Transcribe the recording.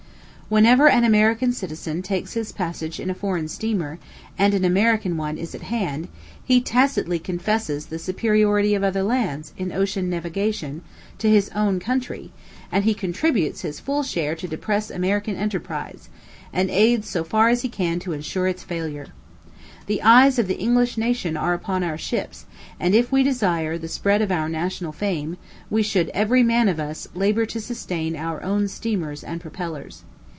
Whenever an American citizen takes his passage in a foreign steamer, and an American one is at hand, he tacitly confesses the superiority of other lands, in ocean navigation, to his own country, and he contributes his full share to depress American enterprise, and aids so far as he can to insure its failure. The eyes of the English nation are upon our ships; and if we desire the spread of our national fame, we should, every man of us, labor to sustain our own steamers and propellers.